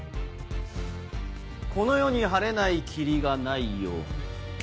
この世に晴れない霧がないように。